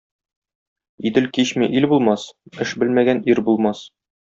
Идел кичми ил булмас, эш белмәгән ир булмас.